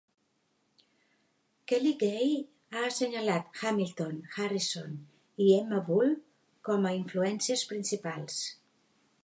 Kelly Gay ha assenyalat Hamilton, Harrison i Emma Bull com a influències principals.